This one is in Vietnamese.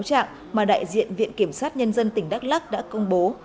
các bị cáo trạng mà đại diện viện kiểm sát nhân dân tỉnh đắk lắc đã công bố